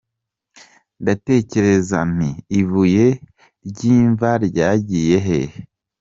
Ndatekereza nti: ’ibuye ry’imva ryagiye hehe?".